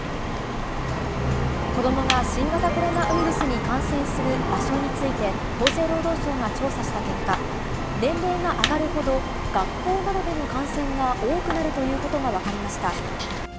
子どもが新型コロナウイルスに感染する場所について、厚生労働省が調査した結果、年齢が上がるほど、学校などでの感染が多くなるということが分かりました。